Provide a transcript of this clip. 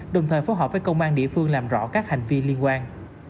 đồng thời phối hợp với công an địa phương làm rõ các hành vi liên quan